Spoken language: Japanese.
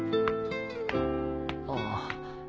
ああ。